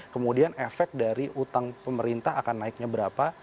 kemudian efek dari utang pemerintah akan naiknya berapa